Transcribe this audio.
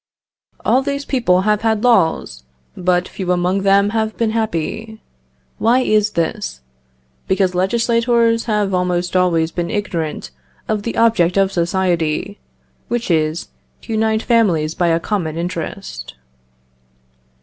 "All these people have had laws. But few among them have been happy. Why is this? Because legislators have almost always been ignorant of the object of society, which is, to unite families by a common interest.